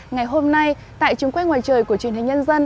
ngày hôm nay tại trường quét ngoài trời của truyền hình nhân dân